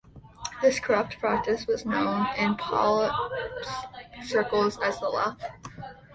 This corrupt practice was known in police circles as "the laugh".